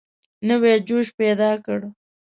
نوی جوش پیدا کړ.